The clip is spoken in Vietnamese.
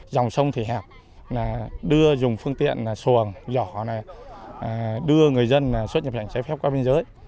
dòng sông thì hẹp đưa dùng phương tiện xuồng giỏ đưa người dân xuất nhập cảnh trái phép qua biên giới